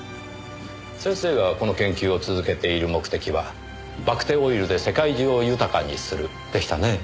先生がこの研究を続けている目的はバクテオイルで世界中を豊かにするでしたね。